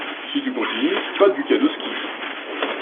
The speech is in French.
Si tu continues, pas de week-end au ski.